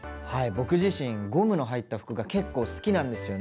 僕自身ゴムの入った服が結構好きなんですよね。